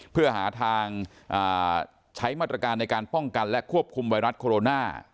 เพื่อหาทางใช้มาตรการในการป้องกันและควบคุมไวรัสโคโรนา